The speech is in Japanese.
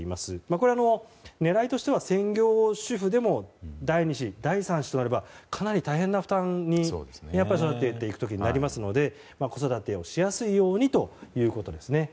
これ、狙いとしては専業主婦でも第２子、第３子となれば育てていく時に、かなり大変な負担になりますので子育てをしやすいようにということです。